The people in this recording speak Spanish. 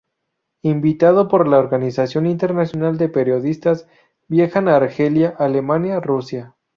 Invitado por la Organización Internacional de Periodistas viaja a Argelia, Alemania, Rusia.